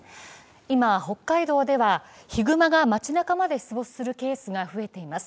今、北海道ではヒグマが街なかまで出没するケースが増えています。